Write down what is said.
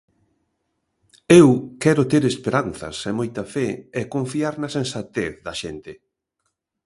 Eu quero ter esperanzas e moita fe e confiar na sensatez da xente.